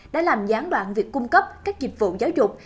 đã làm gián đoạn việc cung cấp các dịch vụ giáo dục